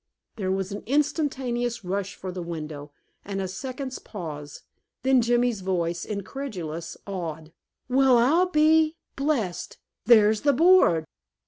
There was an instantaneous rush for the window, and a second's pause. Then Jimmy's voice, incredulous, awed: "Well, I'll be blessed! There's the board!"